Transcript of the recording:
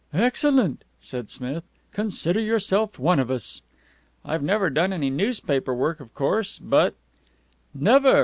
"Excellent!" said Smith. "Consider yourself one of us." "I've never done any newspaper work, of course, but " "Never!"